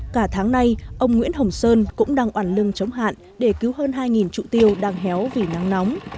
cả tháng nay ông nguyễn hồng sơn cũng đang oản lưng chống hạn để cứu hơn hai trụ tiêu đang héo vì nắng nóng